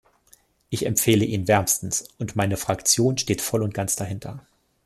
Ich empfehle ihn wärmstens, und meine Fraktion steht voll und ganz dahinter.